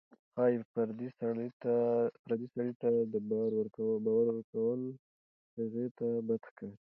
ښایي پردي سړي ته د بار ورکول هغې ته بد ښکاري.